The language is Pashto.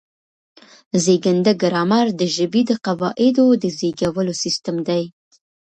زېږنده ګرامر د ژبې د قواعدو د زېږولو سیستم دی.